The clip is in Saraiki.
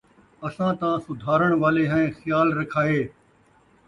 اَساں تاں سُدھارَݨ والے ہیں ۔ خیال رکھائے ،